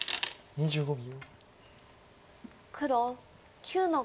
２５秒。